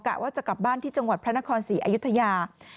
ว่าจะกลับบ้านที่จังหวัดพระนครศรีอยุธยา